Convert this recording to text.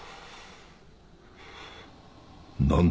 何だ